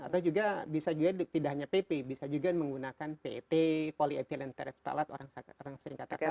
atau juga bisa juga tidak hanya pp bisa juga menggunakan pet polyethylentreptalat orang sering katakan